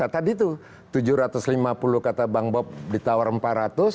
tadi tuh tujuh ratus lima puluh kata bang bob ditawar empat ratus